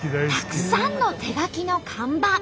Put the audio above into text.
たくさんの手書きの看板。